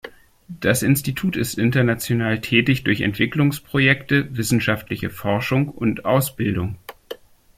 Das Institut ist international tätig durch Entwicklungsprojekte, wissenschaftliche Forschung und Ausbildung.